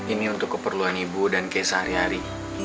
ini untuk keperluan ibu dan ke sehari hari